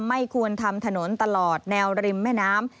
ไม่ควรทำถนนตลอดแนวริมแม่น้ำ